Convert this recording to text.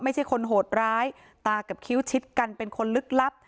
ไม่ใช่คนโหดร้ายตากับคิ้วชิดกันเป็นคนลึกลับ